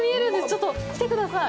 ちょっと来てください。